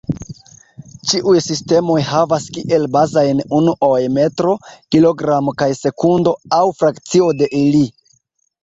Ĉiuj sistemoj havas kiel bazajn unuoj metro, kilogramo kaj sekundo, aŭ frakcio de ili.